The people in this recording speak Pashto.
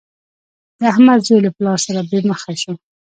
د احمد زوی له پلار سره بې مخه شو.